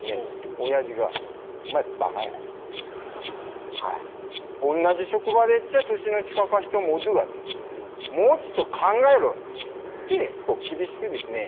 おやじが「お前バカや」ってうん「同じ職場でっちゃ歳の近か人もおっどが」って「もうちょっと考えろ」って厳しくですね